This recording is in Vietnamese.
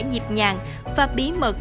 nhịp nhàng và bí mật